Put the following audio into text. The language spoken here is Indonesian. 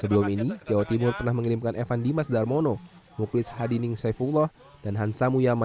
sebelum ini jawa timur pernah mengirimkan evan dimas darmono muklis hadining saifullah dan hansa muyama